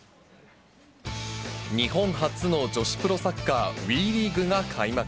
日本初の女子プロサッカー、ＷＥリーグが開幕。